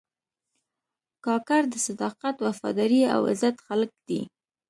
کاکړ د صداقت، وفادارۍ او عزت خلک دي.